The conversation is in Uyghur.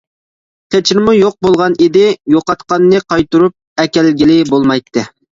قېچىرمۇ يوق بولغان ئىدى، يوقاتقاننى قايتۇرۇپ ئەكەلگىلى بولمايتتى.